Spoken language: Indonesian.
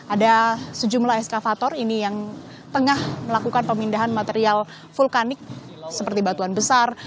ada sejumlah eskavator ini yang tengah melakukan pemindahan material vulkanik seperti batuan besar